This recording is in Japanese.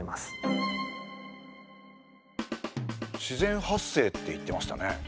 「自然発生」って言ってましたね。